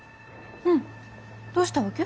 うんどうしたわけ？